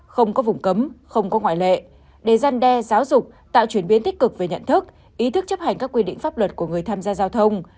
không có vùng cấm không có ngoại lệ để gian đe giáo dục tạo chuyển biến tích cực về nhận thức ý thức chấp hành các quy định pháp luật của người tham gia giao thông